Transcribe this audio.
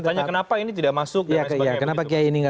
tanya kenapa ini tidak masuk dan sebagainya